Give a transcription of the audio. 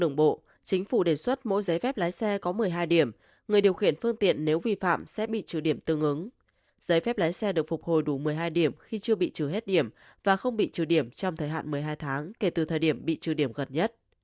giấy phép lái xe được phục hồi đủ một mươi hai điểm khi chưa bị trừ hết điểm và không bị trừ điểm trong thời hạn một mươi hai tháng kể từ thời điểm bị trừ điểm gần nhất